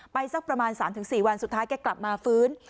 สักประมาณ๓๔วันสุดท้ายแกกลับมาฟื้น